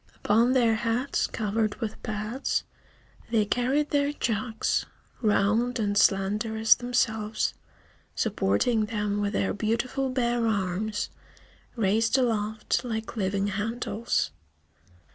Upon their heads, covered with pads, they carried their jugs, round and slender as themselves, supporting them with their beautiful bare arms, raised aloft like living handles.